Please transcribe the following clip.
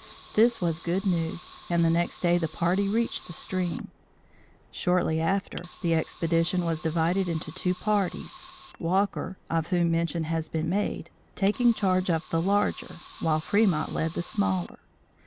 This was good news and the next day the party reached the stream. Shortly after, the expedition was divided into two parties, Walker (of whom mention has been made), taking charge of the larger while Fremont led the smaller.